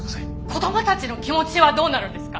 子供たちの気持ちはどうなるんですか？